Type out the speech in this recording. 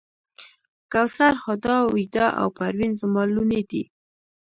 کوثر، هُدا، ویدا او پروین زما لوڼې دي.